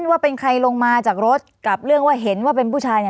ว่าเป็นใครลงมาจากรถกับเรื่องว่าเห็นว่าเป็นผู้ชาย